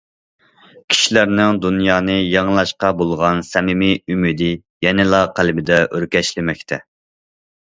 كىشىلەرنىڭ دۇنيانى يېڭىلاشقا بولغان سەمىمىي ئۈمىدى يەنىلا قەلبىدە ئۆركەشلىمەكتە.